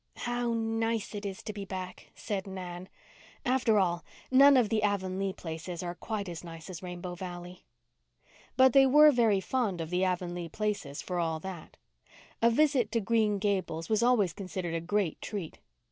"How nice it is to be back!" said Nan. "After all, none of the Avonlea places are quite as nice as Rainbow Valley." But they were very fond of the Avonlea places for all that. A visit to Green Gables was always considered a great treat.